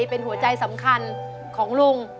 เป็นหัวใจสำคัญของลุง